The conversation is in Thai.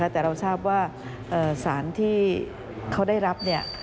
แต่เราทราบว่าสารที่เขาได้รับ